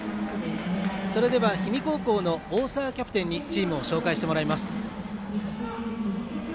それでは氷見高校の大澤キャプテンにチームを紹介してもらいます。